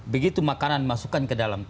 begitu makanan dimasukkan